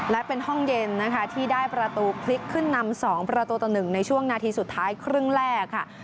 และเป็นห้องเย็นนะคะที่ได้ประตูพลิกขึ้นนำ๒ประตูต่อ๑ในช่วงนาทีสุดท้ายครึ่งแรกค่ะ